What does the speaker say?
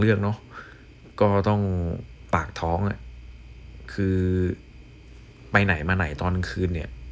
เนอะก็ต้องปากท้องอ่ะคือไปไหนมาไหนตอนคืนเนี่ย